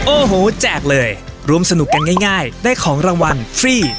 โอ้โหแจกเลยรวมสนุกกันง่ายได้ของรางวัลฟรี